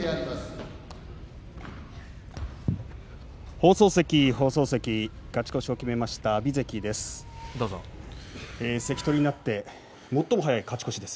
放送席勝ち越しを決めた阿炎関です。